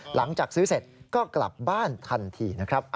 หลังจากซื้อเสร็จก็กลับบ้านทันทีนะครับ